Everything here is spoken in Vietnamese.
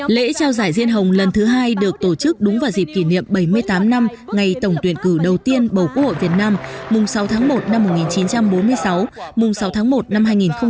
lễ trao giải diên hồng lần thứ hai được tổ chức đúng vào dịp kỷ niệm bảy mươi tám năm ngày tổng tuyển cử đầu tiên bầu quốc hội việt nam mùng sáu tháng một năm một nghìn chín trăm bốn mươi sáu mùng sáu tháng một năm hai nghìn hai mươi